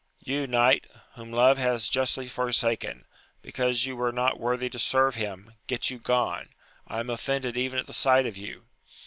You knight, whom love has justly forsaken, because you were not worthy to serve him, get you gone ! I am offended even at the sight of you.